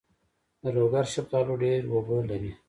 د لوګر شفتالو ډیر اوبه لري.